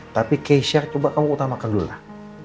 tapi kesha coba kamu utamakan dulu lah